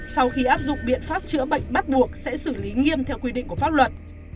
sau khi áp dụng biện pháp chữa bệnh bắt buộc sẽ xử lý nghiêm theo quy định của pháp luật